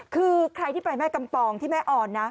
คือใครที่ไปแม่กำปองที่แม่อ่อนนะ